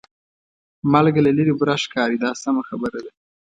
مالګه له لرې بوره ښکاري دا سمه خبره ده.